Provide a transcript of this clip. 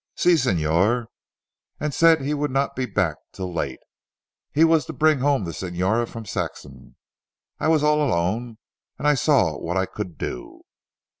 "Si Signor, and said he would not be back till late. He was to bring home the Signora from Saxham. I was all alone and I saw what I could do."